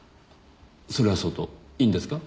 それはそうといいんですか？